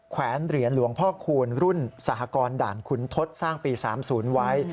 แวนเหรียญหลวงพ่อคูณรุ่นสหกรณ์ด่านขุนทศสร้างปี๓๐ไว้